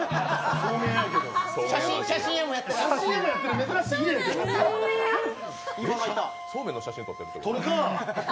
そうめんの写真撮ってるってこと？